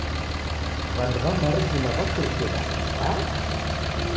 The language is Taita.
W'andu w'a mbari zima w'achurikie Daw'ida.